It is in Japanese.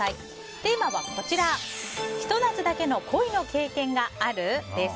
テーマは、ひと夏だけの恋の経験がある？です。